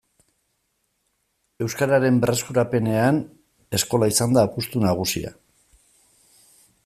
Euskararen berreskurapenean eskola izan da apustu nagusia.